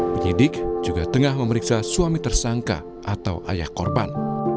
penyidik juga tengah memeriksa suami tersangka atau ayah korban